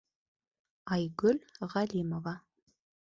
Айгөл ҒӘЛИМОВА